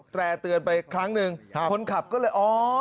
แร่เตือนไปครั้งหนึ่งคนขับก็เลยอ๋อ